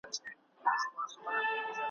لا یې هم نېکمرغه بولي د کاڼه اولس وګړي `